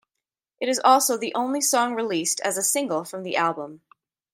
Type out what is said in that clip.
It is also the only song released as a single from the album.